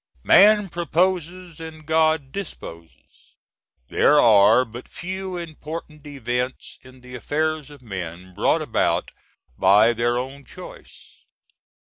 "Man proposes and God disposes." There are but few important events in the affairs of men brought about by their own choice.